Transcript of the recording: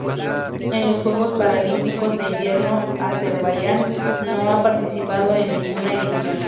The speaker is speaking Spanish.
En los Juegos Paralímpicos de Invierno Azerbaiyán no ha participado en ninguna edición.